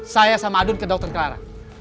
saya sama adun ke dr clara